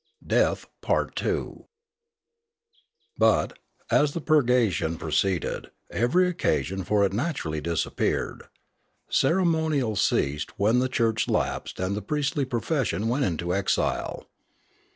37 2 Limanora But, as the purgation proceeded, every occasion for it naturally disappeared. Ceremonial ceased when the church lapsed and the priestly profession went into exile.